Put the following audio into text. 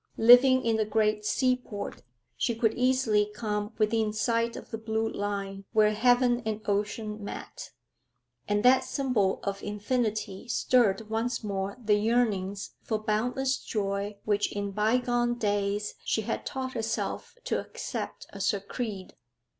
Living in the great seaport, she could easily come within sight of the blue line where heaven and ocean met, and that symbol of infinity stirred once more the yearnings for boundless joy which in bygone days she had taught herself to accept as her creed.